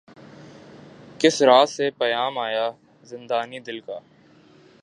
کس رہ سے پیام آیا ہے زندانئ دل کا